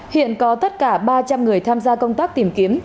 hiện có tất cả ba trăm linh người tham gia công tác tìm kiếm